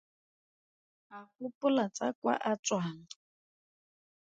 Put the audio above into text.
A gopola tsa kwa a tswang.